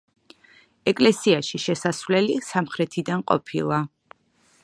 ეკლესიაში შესასვლელი სამხრეთიდან ყოფილა.